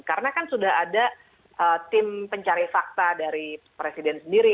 karena kan sudah ada tim pencari fakta dari presiden sendiri